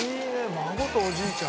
孫とおじいちゃん？」